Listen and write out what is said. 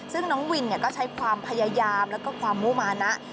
ซึ่งน้องวินก็ใช้ความพยายามแล้วก็ความมุมานะ